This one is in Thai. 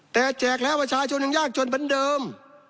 แต่แจกแล้วประชาชนยังยากจนเหมือนเดิม